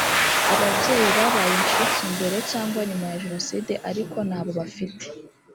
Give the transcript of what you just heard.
ababyeyi babaye incike mbere cyangwa nyuma ya jenoside ariko nabo bafite